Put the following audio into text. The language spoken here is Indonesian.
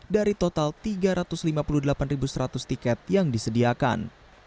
dari total tiga ratus lima puluh delapan seratus tiket yang disediakan